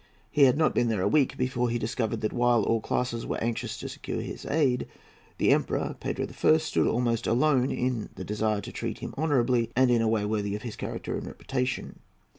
He had not been there a week before he discovered that, while all classes were anxious to secure his aid, the Emperor Pedro I. stood almost alone in the desire to treat him honourably and in a way worthy of his character and reputation.